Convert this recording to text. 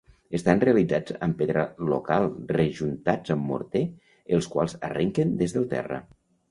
Estan realitzats amb pedra local, rejuntats amb morter, els quals arrenquen des del terra.